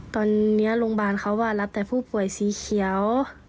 ตอนนี้โรงพยาบาลเขาว่ารับแต่ผู้ป่วยสีเขียว